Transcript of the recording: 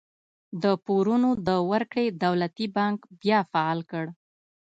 د پورونو د ورکړې دولتي بانک بیا فعال کړ.